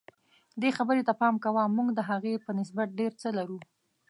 دې خبرې ته پام کوه موږ د هغې په نسبت ډېر څه لرو.